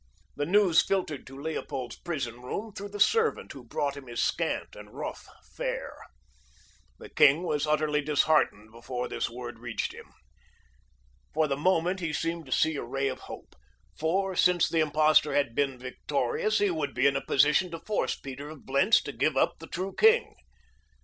The news filtered to Leopold's prison room through the servant who brought him his scant and rough fare. The king was utterly disheartened before this word reached him. For the moment he seemed to see a ray of hope, for, since the impostor had been victorious, he would be in a position to force Peter of Blentz to give up the true king.